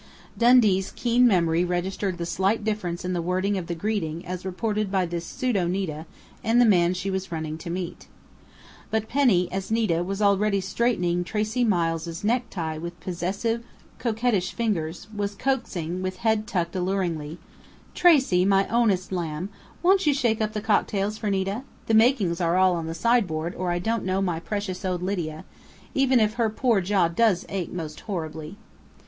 Dundee's keen memory registered the slight difference in the wording of the greeting as reported by this pseudo Nita and the man she was running to meet. But Penny, as Nita, was already straightening Tracey Miles' necktie with possessive, coquettish fingers, was coaxing, with head tucked alluringly: "Tracey, my ownest lamb, won't you shake up the cocktails for Nita? The makings are all on the sideboard, or I don't know my precious old Lydia even if her poor jaw does ache most horribly."